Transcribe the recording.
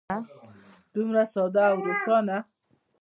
دومره ساده او روښانه.